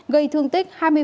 gây thương tích hai mươi